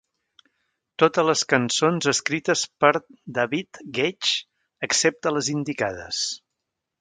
Totes les cançons escrites per David Gedge, excepte les indicades.